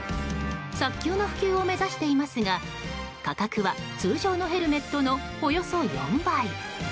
早急な普及を目指していますが価格は通常のヘルメットのおよそ４倍。